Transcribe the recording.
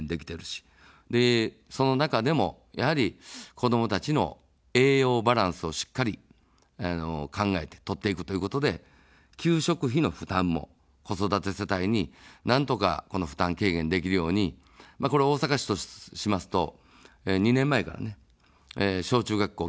その中でも、やはり子どもたちの栄養バランスをしっかり考えて、摂っていくということで、給食費の負担も子育て世帯になんとか負担軽減できるように、これは大阪市としますと２年前から、小中学校、給食費無償と。